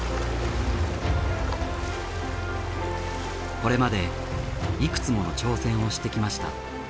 これまでいくつもの挑戦をしてきました。